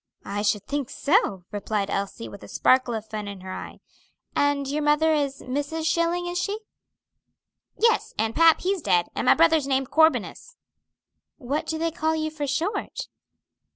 "I should think so," replied Elsie, with a sparkle of fun in her eye. "And your mother is Mrs. Schilling, is she?" "Yes, and pap, he's dead, and my brother's named Corbinus." "What do they call you for short?"